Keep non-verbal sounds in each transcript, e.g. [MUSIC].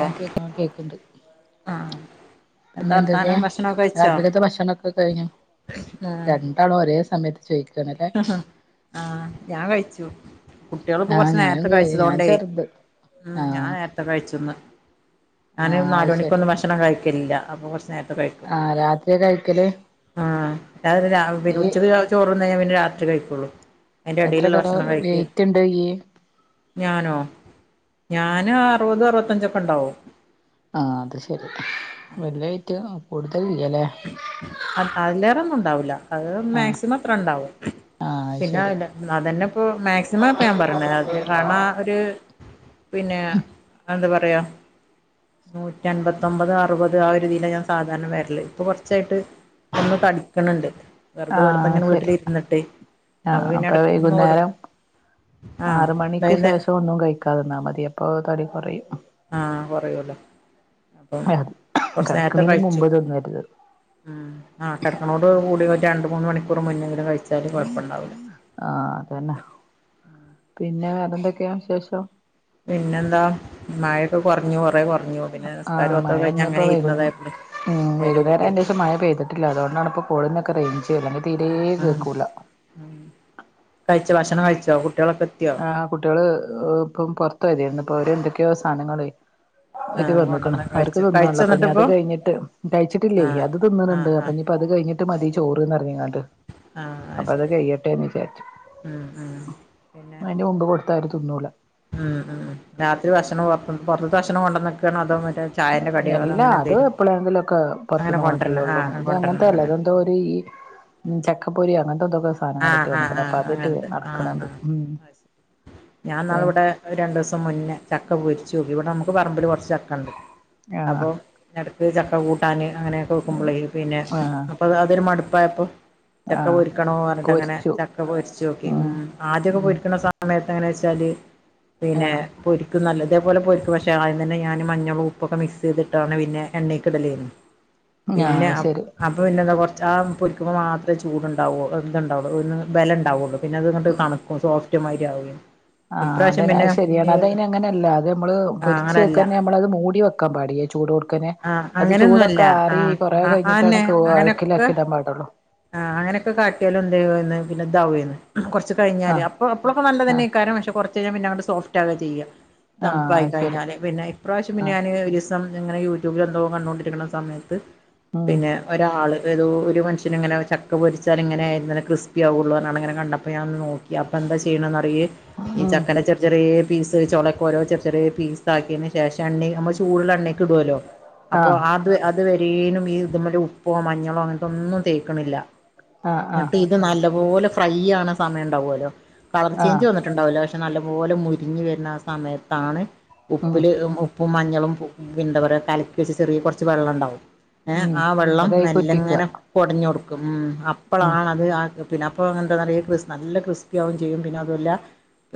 ആഹ് കേക്കാം കേക്ക്ണ്ട്. ആഹ് എന്താ പിന്നെന്തൊക്കെയ വർത്താനം ഭക്ഷണൊക്കെ കഴിച്ചോ? രാത്രികത്തെ ഭക്ഷണക്കെ കഴിഞ്ഞോ. രണ്ടാളും ഒരേ സമയത്ത് ചൊയിക്കും. അഹ ആഹ് ഞാൻ കഴിച്ചു. കുട്ട്യോള് ഇപ്പ ആഹ് കുറച്ച ഞാനും നേരത്തെ കഴിഞ്ഞ് ഞാൻ കഴിച്ചതോണ്ടേ, ചെറുത് ഉം ഞാ ആഹ് നേരത്തെ കഴിച്ച്ന്ന് ഞാന് ആഹ് നാല് അത് ശരി മണിക്കൊന്നും ഭക്ഷണം കഴിക്കലില്ല അപ്പൊ കൊറച്ച് നേരത്തെ കഴിക്കും ആഹ് രാത്രിയാ കഴിക്കല് ആ ഞാപിന്നെ രാ ഇയ്യ് ഉച്ചക്ക് ചോറ്ന്ന് കഴിഞ്ഞാ പിന്നെ രാത്രി കഴിക്കുള്ളു. അതിന്റെ എത്ര എടേലുള്ള കിലോ ഭക്ഷണം കഴിക്ക വെയിറ്റ് ഉണ്ട് ഇയ്യ് ഞാനോ ഞാന് അറുപത് അറുപത്തഞ്ചൊക്കെണ്ടാവും. ആഹ്, അത് ശെരി. വല്യെതായിറ്റ് കൂടുതല്യ ല്ലെ. അത്ത അതിലേ റെന്നും ണ്ടാവൂല. അത് ആഹ് മാക്സിമം ത്ര ഇണ്ടാവും. ആഹ് അത് പിന്നെ ശരി അയല്ല. അതന്ന പ്പോ മാക്സിമാപ്പൊ ഞാൻ പറണെ ത് കരണ ഒരു ത്. പിന്നെ എന്താ പറയാ. നൂറ്റൻപത്തൊമ്പത് അറുപത് ആ ഒരതിലാ ഞാൻ സാധാരണ വരല്. ഇപ്പൊ കൊറച്ചായിട്ട് ഒന്ന് തടിക്കണ് ണ്ട് വെറ്തെ ആഹ് വെറ്തെങ്ങനെ ശരി വീട്ടിലിരിന്ന്ട്ടെയ്. ആഹ് അപ്പ വെയ്കുന്നേരം ആഹ് ആറുമണിക്ക് വൈന്നേ ശേഷം ഒന്നും കഴിക്ക് ക്കാതിന്നാ മതി അപ്പോ തടി കൊറയും ആഹ് കൊറയോലോ അപ്പോ കൊറച്ച് നേരത്തെ കിടക്കണീന് കഴിച്ചു. മുമ്പ് തിന്നരുത് ഉം ആ കടക്കനോട് കൂടി ഒരു രണ്ടു മൂന്ന് മണിക്കൂർ മുന്നെങ്കിലും കഴിച്ചാല് കൊഴപ്പണ്ടാവില്ല. ആഹ് അതന്നെ. പിന്നെ വേറെന്തെക്കെയാ വിശേഷം. പിന്നെന്താ മയെക്കെ കൊറഞ്ഞു കൊറഞ്ഞ് കൊറ പറഞ്ഞു പിന്നെ ആഹ് നിസ്ക്കാരോത്തൊക്കെ മഴയൊന്നിപ്പോ കഴിഞ്ഞങ്ങനെ വൈകു ഇരുന്നതായിരുന്ന്. ഉം, വൈകുന്നേരം യിന്റെ ശേഷം മഴ പെയ്തിട്ടില്ല. അതോണ്ടാണ് പ്പോ ഫോണിനൊക്കെ റൈൻജ് അല്ലങ്കി തീരേ ആഹ് ആഹ് കേക്കൂല. കഴിച്ചോ, ഭക്ഷണം കഴിച്ചോ കുട്ട്യാളൊക്ക? ആഹ്, കുട്ട്യാള് പ്പം പൊർത്തൊയതേന്നു. ഇപ്പോ അവര് എന്തൊക്കെയോ സാദ നങ്ങള്. യിറ്റ് ആഹ് വന്ന്ക്ക്ണ്. കൊണ്ടന്ന അവർക്ക് കഴിച്ചു തിന്നാള്ള കഴിച്ചോ പ്പൊഞ്ഞി അത് എന്നിട്ടിപ്പോ കഴിഞ്ഞിട്ട്. കഴിച്ചിട്ടില്ലെയ് ആഹ് അത് തിന്ന്ണണ്ട്. ആഹ് അപ്പോ ആഹ് ഞ്ഞി. പ്പത് കഴിഞ്ഞിട്ട് മതി ചോറ്ന്നറഞ്ഞ്ങ്ങാണ്ട്, അപ്പ അത് കഴിയട്ടെന് വിചാരിച്ചു. മ്ഹ്. മ്ഹ് അയിന്റെ മുമ്പ് കൊടുത്താ ഓര് തിന്നൂല. ഉം, ഉം രാത്രി ഭക്ഷണം പൊറത്ത്ന്ന്. പൊറത്ത്ത്തെ ഭക്ഷണം കൊണ്ടന്ക്കാ. എല്ലാ, അത് എപ്പളേങ്കിലൊക്കെ അങ്ങനെ പൊറത്ത്ന്ന് കൊണ്ടരണ കൊണ്ടരലൊള്ളൂ. ആഹ് ഇത് കൊണ്ടരണ അങ്ങനത്തല്ല. അങ്ങനെ ഇത് ഇത് ഒരീ ചക്കപൊരി അങ്ങൻതെ ന്തൊക്കെ. ആഹ്, ആഹ്, ആഹ്, അങ്ങനത്തെ ആഹ്, ആഹ് ഉം ഞാന്നാള് വിടെ പിന്നെ രണ്ടൂസം. മുന്നേ ചക്ക പൊരിച്ചോക്കി. ഇവിടെ നമുക്ക് പറമ്പില് കൊറച്ച് ചക്കണ്ട് ആഹ് അപ്പൊ. എടക്ക് ചക്ക കൂട്ടാന് അങ്ങനെ ക്കെ വെക്കുമ്പളേ. പിന്നെ, ആഹ് അപ്പ അതൊരു മടുപ്പായപ്പോ. ചക്ക ആഹ് പൊരിക്കണോറഞ്ഞിട്ട്, അങ്ങനെ പൊരിച്ചു ചക്ക പൊര് ച്ചോക്കി. മ് ഉം ആദ്യൊക്കെ ഉം പൊരിക്ണ സമ.. സമയത്ത് എങ്ങനെ ച്ചാല്, പിന്നെ ആഹ് പൊരിക്കും. നല്ല ഇതേപോലെ പൊരി പക്ഷെ. ആദ്യം തന്നെ ഞാന് മഞ്ഞളും ഉപ്പൊക്കെ മിക്സെത്ട്ടാണ്. പിന്നെ എണ്ണീക്ക്ടല്. പിന്നെ, ആഹ് ശരി അപ്പൊ പിന്നെന്താ കൊറച്ച് ആ പൊരിക്കുമ്പോ മാത്രേ ചൂടുണ്ടാവോളൂ. ത്ണ്ടാ വൊളു. ഒന്ന് ഭലണ്ടാവൊള്ളൂ. പിന്നെ അത്ങ്ങട്ട് തണുക്കും. സോഫ്റ്റ് മാരി ആവേനു. ആഹ്, അതെന്നെ. അത് ശരിയാണ് അതൈനങ്ങനല്ലാ, അത് നമ്മള് ആ അങ്ങനല്ല പൊരിച്ചേക്കെന്നെ നമ്മളത് മൂടി വെ ക്കാൻ പാടിയ ച്ചൂടോട്ക്കനേ, ആ അത് അങ്ങനെയൊന്നുമല്ല ച്ചൂടൊക്കെ ആ ആറി കൊറേ ആ കഴിഞ്ഞിട്ടാണ് അന്നെ കുവാ അങ്ങനെയൊക്കെ അൾക്കിലാക്കി ഈടാപാടൊള്ളു. ആഹ്, അങ്ങനെക്കെ കാട്ട്യാലും [UNINTELLIGIBLE] പിന്നെ, പിന്നെ താവേ ന്. ഹ. കുറച്ച് കഴിഞ്ഞാല് ആഹ് അപ്പൊ അപ്പളൊക്കെ ആഹ് നല്ലതന്നേക്കാരം. പക്ഷെ കുറച്ച് കഴിഞാ, പിന്നെ അങ്ങ്ട് സോഫ്റ്റാകാ ചെയ്യാ. ആഹ് തണ്പ്പായി അത് ശരി കഴിഞ്ഞാല്, പിന്നെ ഇപ്രാശ്യം പിന്നെ ആഹ് ഞാന് [UNINTELLIGIBLE] ഇങ്ങനെ യൂട്യൂബിൽ എന്തോ കണ്ടോണ്ടിരിക്കണ സമയത്ത് ഉം പിന്നെ ഒരാള് ഏതോ ഒരു മനുഷ്യനിങ്ങനെ ചക്ക പൊരിച്ചാൽ ഇങ്ങനെ ക്രിസ്പി ആവുള്ളൂ എന്നാണ് ഇങ്ങനെ കണ്ടപ്പോ ഞാൻ ഒന്ന് നോക്കി അപ്പൊ എന്താ ചെയ്യണ ന്നറിയെ ഈ ഉം ചക്കനെ ചെ ചെറിയ പീസ് ചൊളക്കോരോ ചെറി ചെറിയ പീസ് ആക്കിയന് ശേഷം എണ്ണി നമ്മള് ചൂടുള്ള എണ്ണക്ക് ഇടുവല്ലോ. അപ്പൊ ആഹ് അത് അത് വരേലും ഈ ഇതുമ്മല ഉപ്പോ മഞ്ഞളോ അങ്ങനത്തൊന്നും തേക്കണില്ല ആഹ് ആഹ് ട്ട് ഇത് നല്ല പോലെ ഫ്രൈ ആവ്ണ സമയം ഉണ്ടാവല്ലോ കളർ ആഹ് ചേഞ്ച് വന്ന്ട്ട് ണ്ടാവൂല പക്ഷെ നല്ല പോലെ മുരിഞ്ഞു വരുന്ന ആ സമയത്താണ് ഉം ഉപ്പില് ഉ പ്പും മഞ്ഞളും എന്താ പറയുക കലക്കി വെച്ച് ചെറിയ കുറച്ച് വെള്ളംണ്ടാവും ഏ ഉം ആ വെള്ളം അതായിക്ക് ഉറ്റിക്കുക മെല്ലങ്ങനെ കൊടഞ്ഞ്ടുക്കും ഉം ഉം അപ്പളാണത് ആഹ് പിന്നെ അപ്പ അങ്ങനത്തെ നെറയെ നല്ല ക്രിസ്പിയാവും ചെയ്യും പിന്നെ അതുവല്ല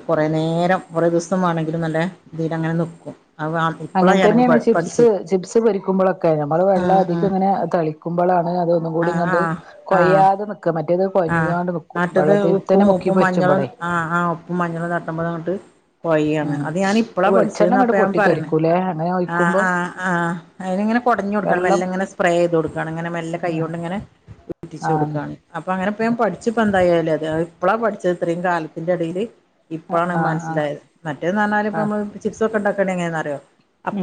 കൊറേ നേരം കൊറേ ദിവസം വേണമെങ്കില് നല്ലേ ഇതിൽ അങ്ങനെ നിക്കും അത് ആൾ അങ്ങനെ തന്നെയാണ് ചിപ്സ് ചിപ്സ് പൊരിക്കുമ്പോളൊക്കെ നമ്മള് വെള്ളം ആഹ് അധികം ഇങ്ങനെ തളി ക്കുമ്പോളാണ് അതൊന്നും കൂടി ആഹ് ആഹ് ഇങ്ങട്ട് ആഹ് ആഹ് കൊയ്യാതെ മറ്റേത് ആഹ് കൊഴഞ്ഞിങ്ങാണ്ട് വെക്കും നട്ടത് ഉപ്പും വെള്ളത്തിൽന്നെ ഉപ്പും മുക്കിപൊരിച്ചും മഞ്ഞളും കളയും ആഹ് ആഹ് ഓഹ് ഉപ്പ് മഞ്ഞള് തട്ടുമ്പോൾ അങ്ങോട്ട് പോയിയാണ് ഉം അത് ഞാൻ ഇപ്പളാ വെളിച്ചെണ്ണ പഠിച്ചന്ന് അപ്പ ഇങ്ങട്ട് ഞാൻ പൊട്ടി പറയ തെറിക്കൂലേ അങ്ങനെ ഒഴിക്കുമ്പോ ആഹ് ആഹ് അയിനിങ്ങനെ കൊടഞ് കൊടുക്കണം വെള്ളം മെല്ലെ ഇങ്ങനെ സ്പ്രേ ചെയ്ത് കൊടുക്കാണ് ഇങ്ങനെ മെല്ലെ കൈ ആഹ് കൊണ്ട് ഇങ്ങനെ പിടിച്ച് കൊടുക്കാണ് ആഹ് അപ്പ അങ്ങനെപ്പ പഠിച്ചപ്പൊ എന്തായാലേ അത് ഇപ്പളാ പഠിച്ചത് ഇത്രയും കാലത്തിന്റെ എടയില് ഇപ്പളാണ് ആഹ് മൻസ്സിലായത് മറ്റേന്ന് പറഞ്ഞാൽ ഇപ്പ ആഹ് നമ്മള് ചിപ്സ് ഒക്കെ ഉണ്ടാക്കണ്ട എങ്ങനെന്ന്റിയോ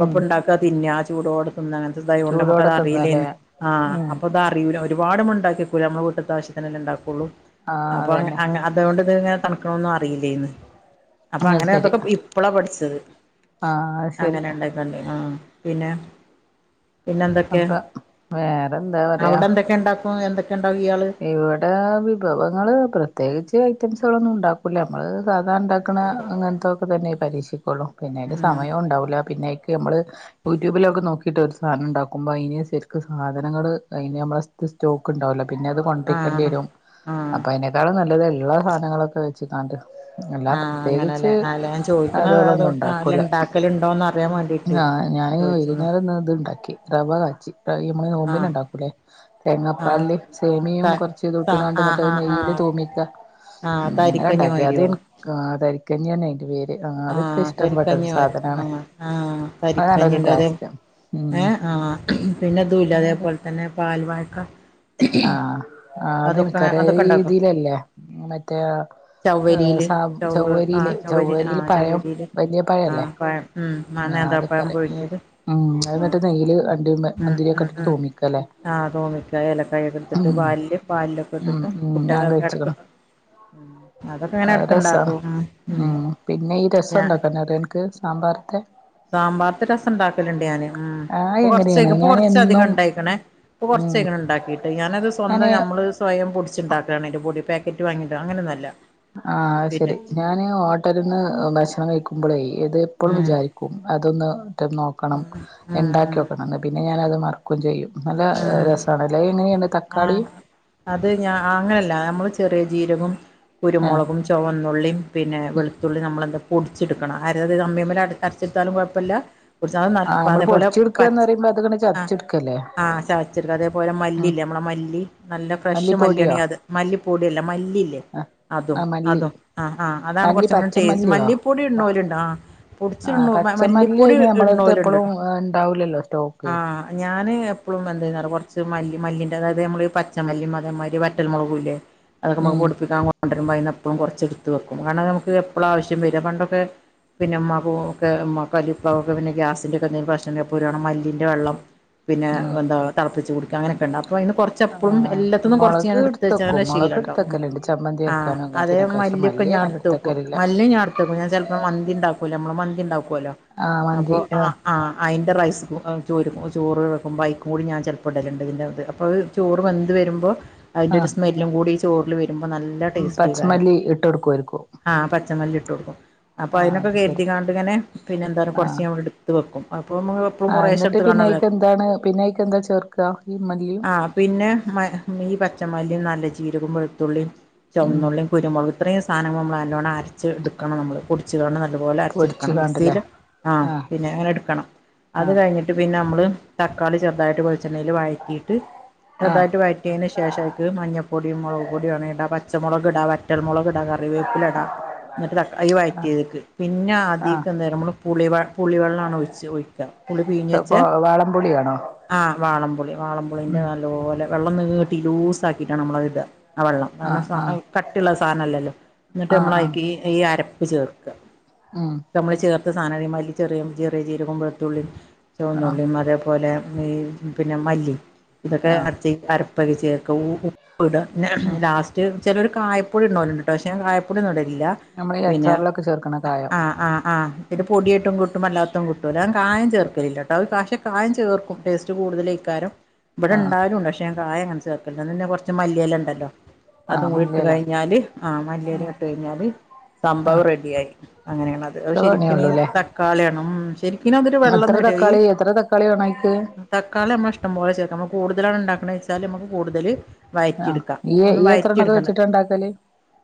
ഉം ഇണ്ട തിന്ന ചൂടോടെ തിന്ന അങ്ങനത്തെ തായകൊണ്ട് നമ്മക്ക് ചൂടോടെ അത് തിന്നാലേ അറിയില്ലേന്ന് ആ ഉം അപ്പൊതാ അറിയൂല ഒരുപാട് മുണ്ടാക്കിവക്കൂല നമ്മുടെ വീട്ട്ത്തെ ആവശ്യത്തിനന്നെ ഉണ്ടാക്കുള്ളൂ. ആഹ് അപ്പൊ അങ്ങ അതന്നെ അങ്ങ അതുകൊണ്ട് തന്നെ. തണുക്കണന്നും അറിയില്ലേന്ന് അപ്പൊ അത് അങ്ങനെ ശരി അതൊക്കെ ഇപ്പോളാ പഠിച്ചത് ആഹ് അത് ശരി അങ്ങനെ ഇണ്ടായിക്കണ്ടി ആ പിന്നെ പിന്നെ എന്തൊക്കെ അപ്പൊ വേറെന്താ പറയാ അവിടെ എന്തൊക്കെ ഇണ്ടാക്കും എന്തൊക്കെ ഇണ്ടാക്കും ഇയാള് ഇവിടെ വിഭവങ്ങള് പ്രത്യേകിച്ച് ഐറ്റംസുകളൊന്നും ഉണ്ടാക്കൂല നമ്മൾ സാധാരണ ഇണ്ടാക്കണ അങ്ങനെ ഇതൊക്കെ തന്നെ പരീക്ഷിക്കുള്ളൂ പിന്നെ ഉം സമയം ഉണ്ടാവില്ല പിന്നെക്ക് നമ്മള് യൂട്യൂബിലൊക്കെ നോക്കിട്ട് ഒരു സാനം ഇണ്ടാക്കുമ്പോ അയിന് സര്ക്ക് സധനങ്ങള് അയിന് നമ്മള സ്റ്റോക്ക് ഉണ്ടാവൂല്ല. പിന്നെ അത് ആഹ് കൊണ്ടയിക്കേണ്ടിരും ആഹ് അപ്പൊ അയിനേക്കാളും നല്ലത് ഇള്ള സാധനങ്ങളൊക്കെ വെച്ച് കാണ്ട് ആഹ് അങ്ങനെയല്ലേ അല്ല ഞാ ചോദിക്കണത് അതൊ അതുകളൊന്നും അല്ല ണ്ടാക്കലുണ്ടോ അറിയാൻ വേണ്ടിട്ട് ആ ഞാനി വൈകുന്നേരം ന്ന ഇത് ഇണ്ടാക്കി. റവ കാച്ചി ഈ അമ്മള് നോമ്പിൻ ആഹ് ഉണ്ടാക്കൂല്ലേ തേങ്ങാ ആഹ് പാൽല് സേമിയും ത കൊറച്ച് ഇതും ത ഇട്ട് ആഹ് എന്നിട്ട് അത് ആഹ് നെയ്യ് ൽ ആഹ് തൂമിക്ക ആഹ് അങ്ങനെ തരിക്കഞ്ഞി ഉണ്ടാക്കി അത് മാരിയോ ആഹ് തരിക്കഞ്ഞാണയിന്റെ പേര് അതൊക്കെ ആഹ് ഇഷ്ടപ്പെട്ട ഒരു തരിക്കഞ്ഞി പോര സാധനാണ് ആഹ് ആഹ് അത് തരിക്കഞ്ഞി നല്ലൊരു ണ്ട് ടേസ്റ്റ് ഉം ഏഹ് ആഹ് പിന്നെതൂല അതേപോലെ തന്നെ പാൽവായക്ക. ആഹ് ആഹ് അതൊക്കെ അതെനിക്കറിയാം അതൊക്കെ ഈ ഇണ്ടാക്കും ഇതിലല്ലേ മറ്റേ ഏഹ് ചൗവരിയില് സ ചൗവ ആഹ് ചൗവരിയില് ചൗവരി ചൗവരിയില് ആഹ് പഴം ചൗരിയില് വലിയ ആ പഴല്ലേ പഴം ഉമ് ആ നേന്ത്രപ്പഴം പുഴുങ്ങിയത് ഉമ് അത് ഉം എന്നിട്ട് നെയ്യല് അണ്ടി ഉം മുന്തിരിയൊക്കെ ഉം ഇട്ട് ഉം തൂമിക്കല്ലേ ആഹ് തൂമിക്ക ഏലക്കായൊക്കെ എടുത്തിട്ട് ഉം പാലില് പാലിലൊക്കെ ഉം ഇട്ട് ഉം ഞാൻ ട്ട് കഴിച്ച്ക്ക്ണ് [UNINTELLIGIBLE] ഉം അതൊക്കെ ഇങ്ങനെ അത് എടക്ക് രസാണ് ഇണ്ടാക്കും ഉം ഉം പിന്നെ ഈ രസം ഞാ ഉണ്ടാക്കാൻ അറിയൊ അൻക്ക് സാമ്പാറിത്തെ സാമ്പാർത്തെ രസം ഉണ്ടാക്കലുണ്ട് ഞാന് ഉം അത് ഇപ്പൊ എങ്ങനെയാണ് കൊർച്ചയിക്ക് ഇപ്പൊ ഞാൻ കൊർച്ച അധികം എന്നും ഇണ്ടായിക്ക്ണേ. ഇപ്പം ഉം കൊർച്ചായിക്ക്ണ് ഇണ്ടാ കീട്ട് ഞാനത് സ്വന്തം ഞാന് ഞമ്മള് സ്വയം പൊടിച്ചുണ്ടാക്കാണ് അയ്ൻ്റെ പൊടി പേക്കറ്റ് വാങ്ങിട്ട് അങ്ങനൊന്നല്ല. ആഹ് അത് പിന്നെ ശരി ഞാന് ഹോട്ടൽന്ന് ഭക്ഷണം കഴിക്കുമ്പോളേ ഇത് എപ്പോളും ഉം വിചാരിക്കും അതൊന്ന് നോക്കണം ഉം ഇണ്ടാക്കി ഉം ക്കോക്കണം പിന്നെ ഞാനത് മറക്കും ചെയ്യും. നല്ല ഉം രസാണ് ല്ലേ എങ്ങനെയണ്ട് തക്കാളിയും ആഹ് അത് ഞ അങ്ങനെയല്ല നമ്മള് ചെറിയ ജീരകവും ആഹ് കുരുമൊളകും ചുവന്നുള്ളിയും പിന്നെ വെളുത്തുള്ളി നമ്മളെന്താ പൊടിച്ചെടുക്കണം ആരവ് അമ്മിമ്മല് അരച്ചെടുത്താലും കുഴപ്പല്ല കുട്ച്ചാലും നല്ല അതേപോലെ പച്. [UNINTELLIGIBLE] ബത്ത്ക്ണ് ച ആ ആ ചതച്ചെടുക്ക അതേപോലെ ഉം മല്ലില്ലേ നമ്മളെ മല്ലി നല്ല ഫ്രഷ് മല്ലിപ്പൊടിയോ മല്ലിയാണ് അത് മല്ലിപ്പൊട്യല്ല മല്ലില്ലേ. അതും ആഹ് മല്ലി അതും ആ ആ അതാണ് മല്ലി കുറച്ചും കൂടി ടേസ്റ്റ് പച്ചമല്ലിയോ മല്ലിപ്പൊടി ഇടുന്നൊലുണ്ട ആ ആഹ് പൊട്ച്ട്ണു മ പച്ചമല്ലി മല്ലിപ്പൊടി അയിന് നമ്മളെടുത്ത് ഇട്ണോല്ണ്ട് എപ്പളും ഉണ്ടാവൂലല്ലോ സ്റ്റോക്ക് ആഹ് ഞാന്. പ്ലും എന്തേന്നറ കൊർച്ച് മല്ലി മല്ലിന്റതായത് നമ്മളീ പച്ചമല്ലിം അതേമാരി വറ്റൽമൊളകൂല്ലേ. അതൊക്കെ നമക് ഉം കൊണ്ടരുമ്പോ കൊണ്ടരുമ്പോ എപ്പളും കുറച്ച് ഇ ടുത്ത് വെക്കും കാരണം നമുക്ക് എപ്പോളാ ആവശ്യം വര പണ്ടൊക്കെ പിന്ന മാവുകെ കലിപ്പാവ് ഒക്കെ ഗ്യാസ് [UNINTELLIGIBLE] മല്ലിന്റെ വെള്ളം ഉം വെന്താ തളപ്പിച്ച്കുടിക്ക അങ്ങനെക്കണ്ട് അപ്പൊ അയ്ന്ന് കൊർ- ചപ്പളും ആഹ് എല്ലാത്തൊന്നും കൊറച്ച് മുളക് ഞാൻ എടുത്ത് വെച്ച എടുത്തക്കും അങ്ങനെ ശീലം മുളക് ഉണ്ടാവകും എടുത്തക്കലുണ്ട് ചമ്മന്തി ആഹ് അരക്കാനും അതേ അങ്ങനത്തിനൊക്കെ പക്ഷെ മല്ലിയൊക്കെ മല്ലി ഞാൻ അങ്ങനെ എടുത്ത് വെക്കും. എടുത്തക്കലില്ല മല്ലി ഞാൻ ഇട്ത്തക്കും ഞാൻ ചൽപ്പോ മന്തി ഉണ്ടാക്കല്ലോ നമ്മള് മന്തി ഉണ്ടാക്കല്ലോ ആഹ് മന്തി അപ്പൊആ ആഹ് ആ അയിൻ്റെ റൈസ് ചോരു ചോറ് റക്കുമ്പോ മൂടി ഞാ ചെൽപ്പടല്ണ്ട് തിൻ്റെ അ അപ്പത് ചോറ് വെന്ത് വരുമ്പോ അയ്ന്റെരു ആഹ് സ്മെല്ലും കൂടി ഈ ചോറില് വരു നോക്കുമ്പോ നല്ല ടേസ്റ്റ്‌കാരം പച്ചമല്ലി ഇട്ട് കൊടുക്കുവായിരിക്കും ആ പച്ചമല്ലി ഇട്ട കൊടുക്കും അപ്പ ആഹ് അതിനൊക്കെ അത് ശരി കരുതികാണ്ട്ങ്ങനെ പിന്നെന്താണ് കുറച്ച് ആഹ് ഞാൻ വിടെടുത്ത് വെക്കും അപ്പോ നമ്മക്ക് കുറേശ ഇടത്ത് കാണല ന്താണ് പിന്ന യ്ക്ക് എന്താ ചേർക ഈ മല്ലിം ആ പിന്നെ മയ് ഈ പച്ചമല്ലിം നല്ലചീരകും വെൾത്തുള്ളിം ഉം ചൊമ്ന്നുള്ളിം കുരുമൊളക്. ത്രേ സാനങ്ങൾ നമ്മൾ നല്ലോണം അരച്ച് ഇട്ക്കണം നമ്മള്. പൊട്ച്ച്കാണ്ട് നല്ലപോലെ അര്ച്ച്ട് പൊടിച്ച് ക്കണം കാണ്ടല്ലേ മിക്സില് ആഹ് പിന്നെ ങ്ങനെട്ക്കണം അത് ആഹ് കഴിഞ്ഞി പിന്നെ മ്മള് തക്കളി ചെറുതായിട്ട് വെളിച്ചെണ്ണേൽ വഴറ്റിട്ട് ആഹ് ചെറുതായിട്ട് വയ കെയ്‌ക്കിയ തിന് ശേഷ മഞ്ഞപ്പൊടി മുളക് പൊടിവേണങ്കി ഇടാ പച്ചമുളകിട വറ്റമുളകിട റിവേപ്പിലടാ ന്നട്ട് തക് ഈ ആഹ് വഴറ്റിയതിക്ക് പിന്നാ അതീക്കെന്തെയ്യണം മ്മൾ. പുളിവ പുളിവെള്ളാണ് ഒഴിച്ച് ഒഴിക്ക പുളി പീഞ്ഞെച്ചെ വാളം പുളിയാണോ? ആഹ് വാളം പുളി വാളംപുളീന്റെ നല്ലോലെ വെള്ളംന്നീട്ടി ലൂസാക്കിട്ടാണ് നമ്മളത് ഇടാ. ആ വെള്ളം ആഹ് ആഹ് കരണം കട്ടിള്ള സാനല്ലല്ലോ ന്നിട്ട് ആഹ് ആഹ് നമ്മളയ്ക്ക് ഈ അരപ്പ് ചേർക്ക ഉം നമുക്ക് ചേർത്ത് സാധനം കഴിയുമ്പ ചെറിയ ജീരകം വെളുത്തുള്ളി ആഹ് ചുവന്നുള്ളി അതേപോലെ പിന്നെ മല്ലി ഇതൊക്കെ ആഹ് അരപ്പക് ചേർക്കവൂ പ്പ്ട ന്നെ ഉം ലാസ്റ്റ് ചെലോര് കായപ്പൊടി ഇട്ണോല്ണ്ട്ട്ടോ പക്ഷെ കായപ്പൊടിന്നുടലില്ല. നമ്മള് ഈ പിന്നെ അച്ചാറിലൊക്കെ ചേർക്കണ കായം ആഹ് ആഹ് ആഹ്. ട് പൊട്യായ്ട്ടും കിട്ടും അല്ലാത്തും കിട്ടുലേ കായം ചേർക്കലില്ലട്ടവ് പഷേ കായം ചേർക്കും. ടേസ്റ്റ് കൂടുതലുക്കാരം ആഹ് ഇവിടെണ്ടായിരുന്നു പക്ഷെ ഞാൻ കയാണ് ചേർക്കുന്നത് പിന്നെ കുറച്ചു മല്ലിയിലണ്ടല്ലോ? അതും ആഹ് കൂടി ഇട്ട് മല്ലിയെല കഴിഞ്ഞാല് ആ ഉം മല്ലിയല ഇട്ട് കഴിഞ്ഞാല് സംഭവം ആഹ് റെഡിയായി അങ്ങനെയാണ ഏ അത് ഇത്ര ശെരിക്ക്ന് പണിയൊള്ളൂല്ലേ തക്കാള്യാണം ഉം ശരിക്കിനതൊരു വെള്ളനരവി. ക്കാളി വേണയ്ക്ക്. തക്കാള്യമ്മളെ ഇഷ്ടംപോലെ ചേർക്ക നമ്മള് കൂടുതലാണ് ഇണ്ടാക്ക്ണെചാല് നമ്മക്ക് കൂടുതല്. ആഹ് വയറ്റിടുക്ക ഇയ്യ് ഒന്ന് ഇയ്യ് എത്രണ്ണൊക്കെ വയറ്റിടുക്ണ് വെച്ചിട്ടാ ഇണ്ടാക്കല്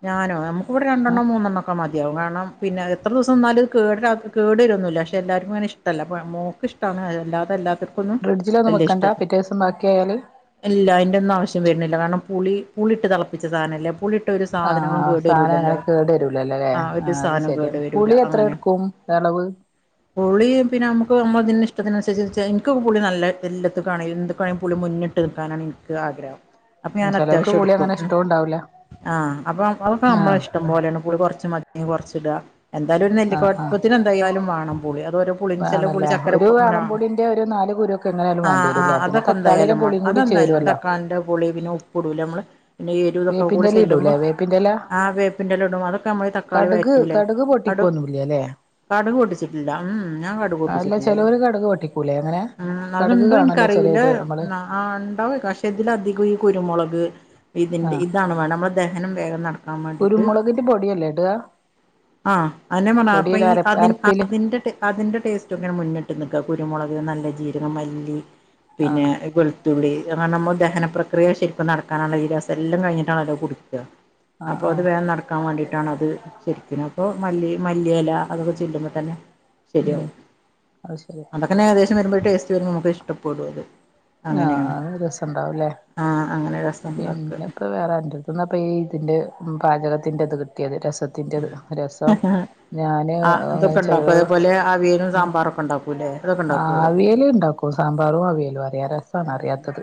ഞാനോ നമുക്കിവിടെ ഏഹ് രണ്ടെണ്ണം മൂന്നെണ്ണംഒക്കെ മതിയാവും കാരണം പിന്നെ എത്ര ദിവസം ന്നാലും കേട കേടരൊന്നുല്ല ക്ഷെ എല്ലാർകുങ്ങനെ ഇഷ്ടല്ല പ മോക്ക്ഷ്ട്ടാണ് അയ് അല്ലാതെല്ലാതർ ഫ്രിഡ്ജിലൊന്നും വക്കണ്ട പിറ്റേ ദിസം ബാക്ക്യായാല്. ഇല്ല അയിന്റെന്നു ആവശ്യം വര്നില്ല കാരണം പുളി പുളിട്ട് തളപ്പിച്ച സാനല്ലേ പുളി ട്ട ഒരു സാധനങ്ങളും ആഹ് കേട് വരൂ സാധനം അങ്ങനെ ലല്ലോ കേട് വരൂലല്ലോല്ലേ ആ ഒരു ആഹ് അത് സാധനം ശരിയാണ് കേടു വരൂല പുളി എത്ര അങ്ങനെ എടുക്കും അളവ് പുളിം പിന്നെ നമുക്ക് നമ്മള തിന് ഇഷ്ടത്തിനുസരിച്ച് ചെയ് ക്ക് പുളി നല്ല എല്ലത്ത്ക്കാണെങ്കിലും എന്ത് പയം പുളി മുന്ന്ട്ട് നിക്കാനാണ് ഇൻക്ക് ആഗ്രഹം. ചെലോർക്ക് അപ്പഞാനത്യാവശ്യം പുളി ഇട്ക്കും അങ്ങനെ ഉം ഇഷ്ടവും ഉണ്ടാവൂല ആഹ് അപ്പം അതൊക്കെ ആഹ് നമ്മളഷ്ടം. പോലെണ് പുളി കൊർച്ച് മതിങ്കി കൊർച്ച്ട എന്താലും ഒരു നെല്ലിക്ക ആഹ് വൽപ്പത്തിലെന്തായാലും വാണം പുളി അതൊരു. വേണലേ ഒരു വാളം പുളിന്റെ ഒരു നാല് കുരുക് ആഹ് ആഹ് അതൊക്കെ എന്തായാലും വേണം കൂടി അതെന്തായാലും ചേരുവല്ലോ തക്കാളീന്റെ പൊളി പിന്നെ ഉപ്പിടൂലെ നമ്മള് പിന്നെ എരുതൊക്കെ കൂടി വേപ്പിന്റെല ചെല്ലുമ്പോ ഇടൂലേ വേപ്പിന്റെല ആ വേപ്പിന്റെലേം ഇടും അതൊക്കെ നമ്മൾ തക്കാളി വയറ്റൂല്ലേ ട്ടിക്കോന്നുല്ലല്ലേ കടുക് പൊട്ടിച്ചിട്ടില്ല ഉം ഞാൻ കടുക് പൊട്ടിച്ചിട്ടില്ല ക്കൂലേ അങ്ങനെ ഉം കടുക് അക്ണ്ടോ കാണല്ലോ എനിക്കറിയൂല്ല ചെലേത് നമ്മള് ആ ഇണ്ടാവ് പക്ഷെ ഇതിലധികം ഈ കുരുമുളക് ഇതിന്റെ ആഹ് ഇതാണ് വേണം നമ്മുടെ ദഹനം വേഗം നടക്കാൻ വേണ്ടി കുരുമുളകിന്റെ പൊടിയല്ലേ ഇട്കാ ആ അകന്നെ ഞാൻ പറഞ്ഞെ അപ്പൊ ഈ അതി അരപ്പില് അതിന്റെ അതിന്റെ ടേസ്റ്റ് ഒക്കെങ്ങനെ മുന്നിട്ട് നിൽക്കുക കുരുമുളക് നല്ല ജീരകം മല്ലി പിന്നെ ആഹ് ത്തുള്ളി അങ്ങനെ നമ്മൾ ദഹനപക്രിയ ശരിക്കും നടക്കാനുള്ള ഈ രസംല്ലാം ഞ്ഞിട്ടണല്ലോ കുടിക്കുക ആഹ് അപ്പൊ അത് ആഹ് വേഗം നടക്ക ക്കാൻ വേണ്ടിട്ടണ അത് ശരിക്കിനും അപ്പൊ മല്ലി മല്ലിയെല അതൊക്കെ ചെല്ലുമ്പോ തന്നെ ശരിയാ ഉം അത് ശരി അതൊക്കനെ ഏകദേശം വരുമ്പോൾ ടേസ്റ്റ് വരും നമുക്ക് ഇഷ്ടപ്പെടുും അത് ആഹ അങ്ങനെയാണ് അ ഒരു രസം ഇണ്ടാവൂല്ലേ ആഹ് അങ്ങനെ രസം ഉണ്ടാക്കുക പിന്നെ ഇപ്പ വേറെണ്ട് ന്നപ ഈ ഇതിന്റെ പാചകത്തിന്റെ ഇത് കിട്ടിയത് രസ ത്തിന്റെ രസം ഞാന് ആഹ് ഇതൊക്കെ ചെ ഉണ്ടാക്കും എഹ് അതേപോലെ അവിയലും സാമ്പാറൊക്കെ ഉണ്ടാക്കൂല്ലേ അതൊക്കെ ആ ഉണ്ടാക്കുവോ അവിയല് ഇണ്ടാക്കും സാമ്പാറും അവിയലും അറിയാം രസാണ് അറിയാത്തത്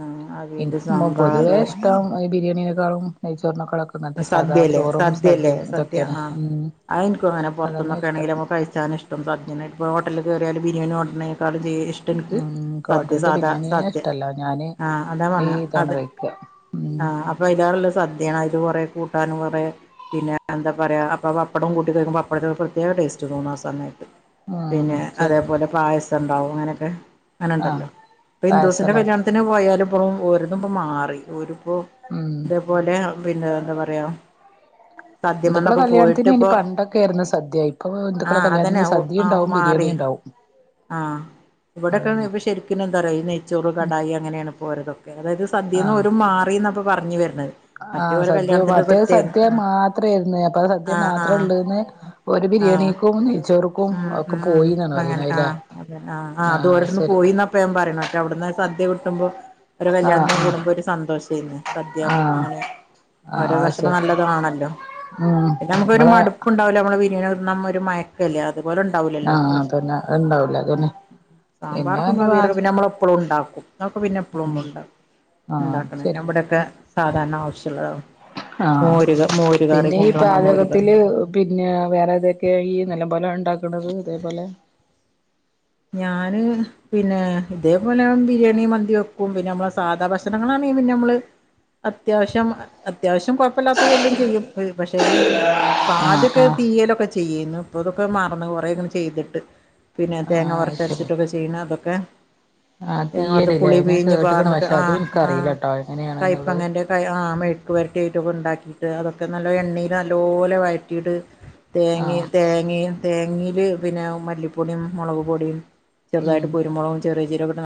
ആഹ് അവിയല് എനിക്ക് പൊതുവേ സാമ്പാറ് ഇഷ്ടം ബിരിയാണിനെക്കാളും നെയ്ച്ചോറിനേക്കാളൊക്കെ ഇപ്പ അങ്ങനത്തെ സാധാ സദ്യല്ലേ ചോറും സദ്യയും ഇതൊക്കെയാണ് ഉം ആ എനക്കും അങ്ങെനെ അതന്നെ പുറത്തുന്നൊക്കെ ഇഷ്ടം ആണെങ്കിലും നമുക്കഴിച്ചാനിഷ് ഇപ്പം സജ്ഞായി ഇപ്പോ ഹോട്ടലിൽ കറിയൽ ബിരിയാണിഓഡനക്കളും ചെയ ടക്ക് ഉം ഇൻക്ക് സദ്യ ഹോട്ടൽത്തെ സാധാ ബിരിയാണിയേ സദ്യ ഇഷ്ടല്ല ഞാന് ആ അതാ ഈ പറഞ്ഞ ഇതാണ് അത് കഴിക്ക ഉം ആ പ്പോ അയ്ലേറെ നല്ല സദ്യാണ്. ആയ്ക്ക് കൊറേ കൂട്ടാനും കുറെ പിന്നെ എന്താ പ്പ പറിയ പ്പടവും കൂട്ടി കഴക്കുമ്പോൾ അപ്പടത്ത പ്രത്യേക ടേസ്റ്റ് തോന്നുന്ന ആ സമയത്ത് ഉം പിന്നെ ശരി അതേപോലെ പായസം ണ്ടാവും അങ്ങനെയൊക്കെ അങ്ങനെ ഉണ്ടല്ലോ ആഹ് ഇപ്പ ഹിന്ദുസിന്റെ പായസല്ലേ കല്ല്യാ ത്തിന് പോയാലും ഇപ്പൊ ഓരുന്നുപ്പം മാറി ഓരിപ്പോൾ ഉം അതുപോലെ പിന്നെ എന്താ പറയാ ഹിന്ദുക്കള സദ്യമന്നൊക്കെ പോയിട്ട് കല്യാണത്തിന് ഇനി ഇപ്പോ പണ്ടൊക്കെ ആയിരുന്നു സദ്യ ഇപ്പൊ ഹിന്ദുക്കളെ ആഹ് അതന്നെ കല്യാണത്തിന് സദ്യ ആഹ് ഉണ്ടാവും ബിരിയാണി മാറി ഉണ്ടാവും [INAUDIBLE] ആഹ് ഇവിടെക്കെ അതന്നെ ഇ ശരിക്കും എന്താ പറയാ ഈ നെയ്ച്ചോറ് കടായി അങ്ങനെയാണ് പോരതൊക്കെ അതായത് സദ്യേന്ന് ഓരു മാറിന്നപ്പൊ പറഞ്ഞു വരുന്നത് ആഹ സദ്യ മറ്റേത് സദ്യ മാത്രേരുന്നു അപ്പൊ സദ്യ ആഹ് മാത്രേ ആഹ് ഇള്ളൂന്ന് ഒരു ആഹ് ആഹ് ബിരിയാണിക്കും നെയച്ചോർക്കും ഒക്കെ പോയിന്നാണ് പറണത് ല്ലെ ആ ആ അതോരിടന്ന് പോയിന്നപ്പ ഞാൻ പറയു മറ്റേ അവിടുന്ന് സദ്യ കിട്ടുമ്പോ ഒരു ആഹ് കല്യാണത്തിന് ആഹ് കൂടുമ്പോ ഒരു സന്തോഷാരുന്ന് സദ്യ ആഹ് അങ്ങനെ ഓരോ ആഹ് ഭക്ഷണം ശരി നല്ലതാണല്ലോ ഉം പിന്നെ നമുക്കൊരു നിങ്ങളെ മടു ഇപ്പ ഉണ്ടാവില്ല നമ്മള് ബിരിയാണി തിന്ന മ്പോ ഒരു മയക്കല്ലേ അതുപോലെ ഉണ്ടാവലല്ലോ ആഹ് അതന്നെ അത് ഇണ്ടാവൂല അതന്നെ പിന്നെ സാമ്പാർക്കും നല്ല പാച അവീലും നമ്മള എപ്പഴും ഉണ്ടാക്കും നമ്മക്ക് പിന്നെ എപ്പഴും ഉണ്ടാകും ആഹ് അത് ഉണ്ടാക്കണ ശരിയാ ഇവിടെയൊക്കെ സാധാരണ ആവശ്യ ഉള്ള ആഹ പിന്നെ ഈ മോര് കറി പാചകത്തില് പിന്നെ വേറെ ഏതൊക്കെയ ഈ നിലമ്പോല ഉണ്ടാക്കുന്നത് ഇതേപോലെ ഞാന് പിന്നെ ഇതേപോലെ ബിരിയാണി മന്തി വെക്കും പിന്നെ നമ്മള സാധാ ഭക്ഷണങ്ങളാണെ പിന്നെ നമ്മള് അത്യാവശ്യം അത്യാവശ്യം കു ല്ലാത്തതെല്ലാം ചെയ്യും പക്ഷെ ഈ ആഹ് പാദ്യൊക്കെ ആഹ് തീയലൊക്കെ ചെയ്യുന്നു ഇതൊക്കെ മറന്ന് കുറെങ്ങനെ ചെയ്തിട്ട് പിന്നെ തേങ്ങ ആഹ് അത് ശരി വറുത്തരച്ചിട്ടൊക്കെ ചെ ചെയ്യനതൊക്കെ ആഹ് തീയലില്ലേ പുളി ഞാൻ പീഞ്ഞിറ്റ് കേട്ട്ക്ക്ണ് പാർന്നിട്ട് പക്ഷെ അതും ആഹ് ആഹ എനിക്കറിയില്ല ട്ടോ എങ്ങനെയാണ്ന്നുള്ളത് കൈപ്പങ്ങന്റെ ആ മെഴക്ക് വെരട്ടിയായിട്ടൊക്കെ ഇണ്ടാക്കിയിട്ട് അതൊക്കെ നല്ല എണ്ണയിൽ നല്ലോല വഴറ്റിയിട്ട് തേങ്ങേ ആഹ് തേങ്ങേ തേങ്ങേല് പിന്നെ മല്ലിപ്പൊടിം മുളക്പ്പൊടിം ഉം ചെറുതായിട്ട് കുരുമോളകും ചെറിയ ജിര